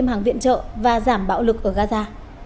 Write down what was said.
các bên đã được thêm hàng viện trợ và giảm bạo lực ở gaza